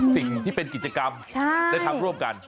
สิ่งที่เป็นกิจกรรมได้ทำร่วมกัน